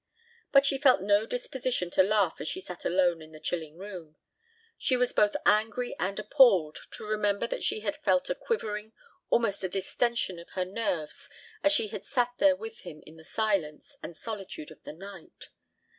But she felt no disposition to laugh as she sat alone in the chilling room. She was both angry and appalled to remember that she had felt a quivering, almost a distension of her nerves as she had sat there with him in the silence and solitude of the night.